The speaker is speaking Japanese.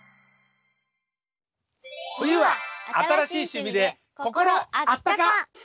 「冬は新しい趣味で心あったか」。